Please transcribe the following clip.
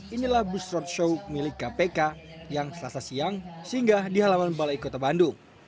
inilah bus roadshow milik kpk yang selasa siang singgah di halaman balai kota bandung